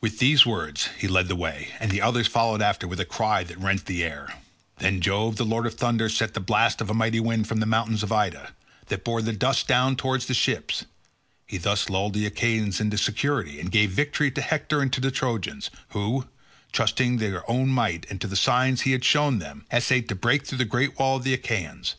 With these words he led the way, and the others followed after with a cry that rent the air. Then Jove the lord of thunder sent the blast of a mighty wind from the mountains of Ida, that bore the dust down towards the ships; he thus lulled the Achaeans into security, and gave victory to Hector and to the Trojans, who, trusting to their own might and to the signs he had shown them, essayed to break through the great wall of the Achaeans.